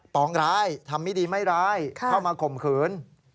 ปองร้ายทำไม่ดีไม่ร้ายเข้ามาข่มขืน